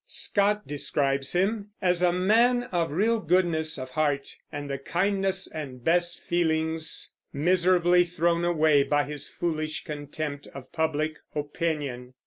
Scott describes him as "a man of real goodness of heart, and the kindest and best feelings, miserably thrown away by his foolish contempt of public opinion."